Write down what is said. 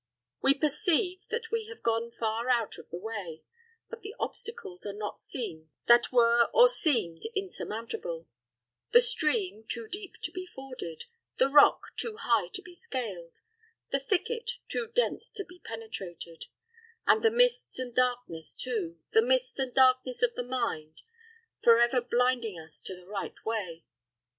We perceive that we have gone far out of the way; but the obstacles are not seen that were, or seemed insurmountable the stream, too deep to be forded the rock, too high to be scaled the thicket, too dense to be penetrated; and the mists and darkness too the mists and darkness of the mind, forever blinding us to the right way.